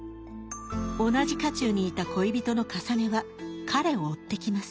同じ家中にいた恋人のかさねは彼を追ってきます。